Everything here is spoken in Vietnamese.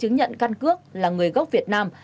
tôi đã lấy chứng nhận căn cước là người gốc việt nam